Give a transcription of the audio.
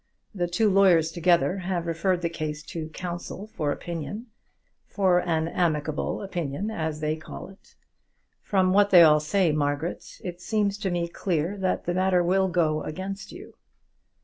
The two lawyers together have referred the case to counsel for opinion, for an amicable opinion as they call it. From what they all say, Margaret, it seems to me clear that the matter will go against you."